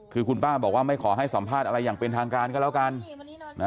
คือคุณป้าบอกว่าไม่ขอให้สัมภาษณ์อะไรอย่างเป็นทางการก็แล้วกัน